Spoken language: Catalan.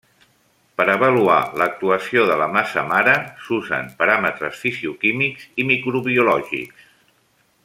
Per avaluar l’actuació de la massa mare s’usen paràmetres fisicoquímics i microbiològics.